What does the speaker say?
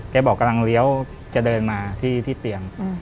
บอกกำลังเลี้ยวจะเดินมาที่เตียง